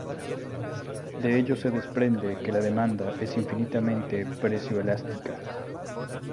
De ello se desprende que la demanda es infinitamente precio-elástica.